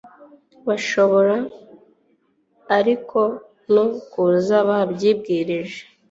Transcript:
Bashobora ariko no kuza babyibwirije